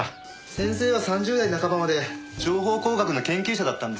先生は３０代半ばまで情報工学の研究者だったんですよね。